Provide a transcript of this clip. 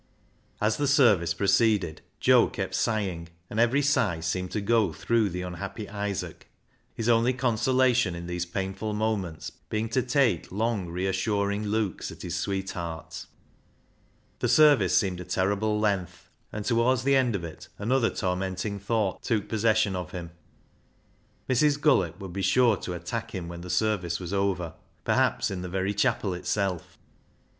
As the service proceeded, Joe kept sighing, and every sigh seemed to go through the unhappy Isaac, his only consolation in these painful moments being to take long reassuring looks at his sweetheart. 20 306 BECKSIDE LIGHTS The service seemed a terrible length, and towards the end of it another tormenting thought took possession of him. Mrs. Gullett would be sure to attack him when the service was over, perhaps in the very chapel itself.